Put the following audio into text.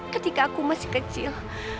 ketika aku masih kecil